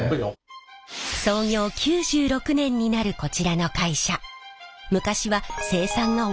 創業９６年になるこちらの会社。